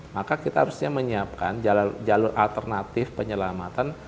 maka kita harusnya menyiapkan jalur alternatif penyelamatan